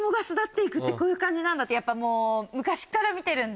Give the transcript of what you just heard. やっぱもう昔から見てるんで。